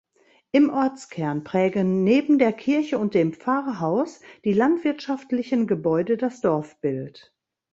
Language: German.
Im Ortskern prägen neben der Kirche und dem Pfarrhaus die landwirtschaftlichen Gebäude das Dorfbild.